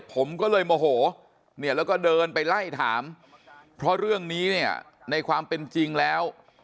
ผมก็เลยโมโหเนี่ยแล้วก็เดินไปไล่ถามเพราะเรื่องนี้เนี่ยในความเป็นจริงแล้ว